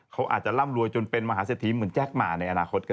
เขาอาจจะร่ำรวยจนเป็นมหาเศรษฐีเหมือนแจ๊คมาในอนาคตก็ได้